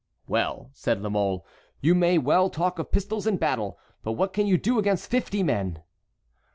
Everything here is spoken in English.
"Well," said La Mole, "you may well talk of pistols and battle, but what can you do against fifty men?"